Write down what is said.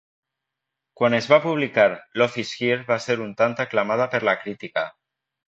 Quan es va publicar, "Love Is Here" va ser un tant aclamada per la crítica.